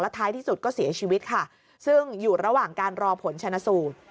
ท้ายที่สุดก็เสียชีวิตค่ะซึ่งอยู่ระหว่างการรอผลชนะสูตร